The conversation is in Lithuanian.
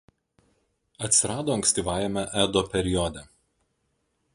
Atsirado ankstyvajame Edo periode.